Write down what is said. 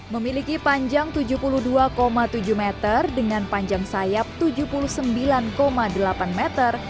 memiliki panjang tujuh puluh dua tujuh meter dengan panjang sayap tujuh puluh sembilan delapan meter